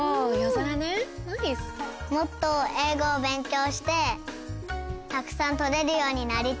もっとえいごをべんきょうしてたくさんとれるようになりたい。